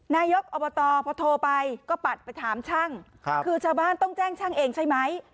นายกอบตพอโทรไปก็ปัดไปถามช่างคือชาวบ้านต้องแจ้งช่างเองใช่ไหม